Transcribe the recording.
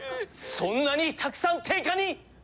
そんなにたくさん定価に！